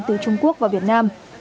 từ trung quốc vào việt nam